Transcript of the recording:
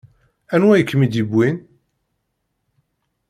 Anwa i kem-id-iwwin?